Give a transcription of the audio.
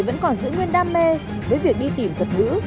vẫn còn giữ nguyên đam mê với việc đi tìm thuật ngữ